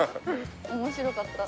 面白かった。